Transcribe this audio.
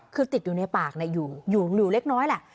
คือติดอยู่ในปากอยู่อยู่เล็กแหละ